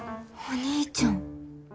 お兄ちゃん。